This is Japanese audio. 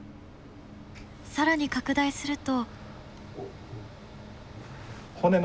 更に拡大すると。